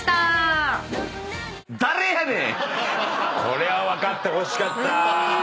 これは分かってほしかった。